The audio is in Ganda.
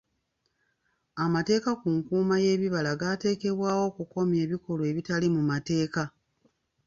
Amateeka amakakali ku nkuuma y'ebibira gateekebwawo okukomya ebikolwa ebitali mu mateeka.